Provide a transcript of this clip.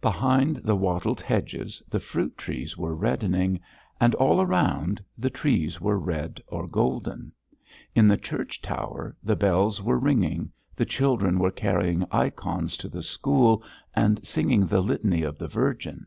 Behind the wattled hedges the fruit trees were reddening and all around the trees were red or golden. In the church tower the bells were ringing, the children were carrying ikons to the school and singing the Litany of the Virgin.